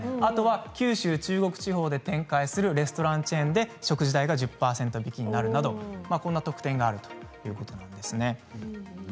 九州・中国地方で展開するレストランチェーンで食事代が１０％引きになるなどこんな特典があるということです。